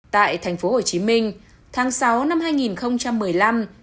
tại tp hcm tháng sáu năm hai nghìn một mươi năm